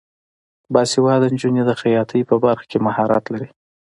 باسواده نجونې د خیاطۍ په برخه کې مهارت لري.